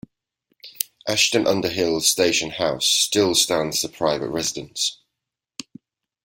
Ashton under Hill station house still stands as a private residence.